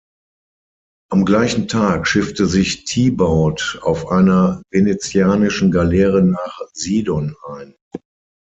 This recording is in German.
Am gleichen Tag schiffte sich Thibaud auf einer venezianischen Galeere nach Sidon ein.